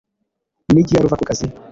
Ni ryari uva ku kazi